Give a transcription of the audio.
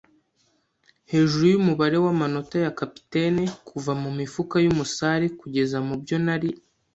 hejuru yumubare wamanota ya capitaine kuva mumifuka yumusare kugeza mubyo nari